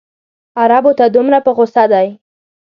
عربو ته دومره په غوسه دی.